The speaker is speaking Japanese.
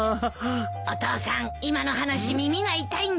お父さん今の話耳が痛いんじゃない？